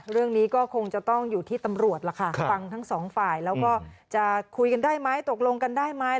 เรื่องนี้ก็คงจะต้องอยู่ที่ตำรวจล่ะค่ะฟังทั้งสองฝ่ายแล้วก็จะคุยกันได้ไหมตกลงกันได้ไหม